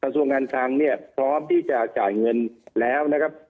ส่วนการคลังเนี่ยพร้อมที่จะจ่ายเงินแล้วนะครับ